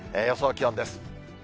予想気温です。